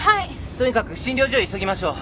とにかく診療所へ急ぎましょう。